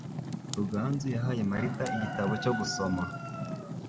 Ruganzu yahaye Marita igitabo cyo gusoma.